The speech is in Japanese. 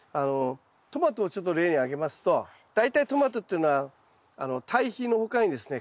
トマトをちょっと例に挙げますと大体トマトっていうのは堆肥の他にですね